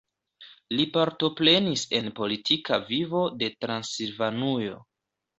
Li partoprenis en politika vivo de Transilvanujo.